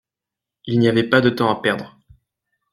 Il n'y avait pas de temps à perdre.